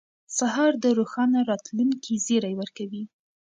سهار د روښانه راتلونکي زیری ورکوي.